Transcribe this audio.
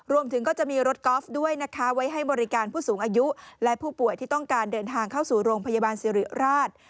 รวมถึงก็จะมีรถกอล์ฟด้วยนะคะไว้ให้บริการผู้สูงอายุและผู้ป่วยที่ต้องการเดินทางเข้าสู่โรงพยาบาลสิริราช